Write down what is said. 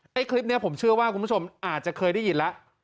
คลิปนี้ผมเชื่อว่าคุณผู้ชมอาจจะเคยได้ยินแล้ว